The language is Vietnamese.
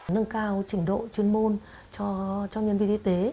nâng cao trình độ chuyên môn cho nhân viên y tế